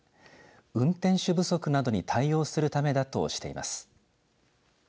運転手不足などに対応するためだとしています。